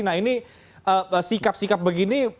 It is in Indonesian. nah ini sikap sikap begini